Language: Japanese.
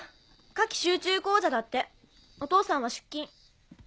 夏期集中講座だってお父さんは出勤。